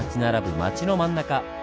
町の真ん中。